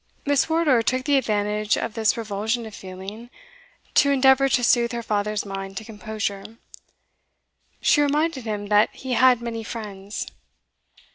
Miss Wardour took the advantage of this revulsion of feeling, to endeavour to soothe her father's mind to composure. She reminded him that he had many friends.